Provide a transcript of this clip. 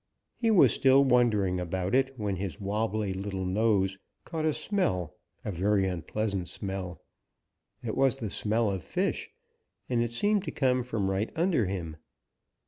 He was still wondering about it when his wobbly little nose caught a smell, a very unpleasant smell. It was the smell of fish, and it seemed to come from right under him.